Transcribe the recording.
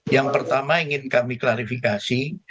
yang pertama ingin kami klarifikasi